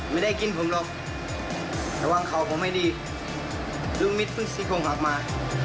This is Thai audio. ไม่ได้กินผมหรอกแต่ว่างเข่าผมไม่ดีรุ่นมิดพึ่งสี่พงหลับมา